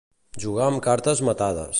Jugar amb cartes matades.